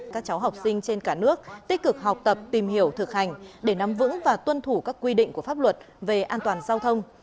các cháu học sinh trên cả nước tích cực học tập tìm hiểu thực hành để nắm vững và tuân thủ các quy định của pháp luật về an toàn giao thông